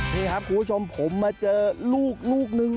นี่ครับคุณผู้ชมผมมาเจอลูกลูกนึง